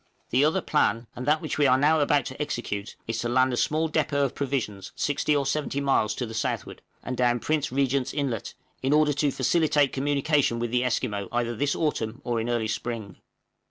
The other plan, and that which we are now about to execute, is to land a small depôt of provisions 60 or 70 miles to the southward, and down Prince Regent's Inlet, in order to facilitate communication with the Esquimaux either this autumn or in early spring.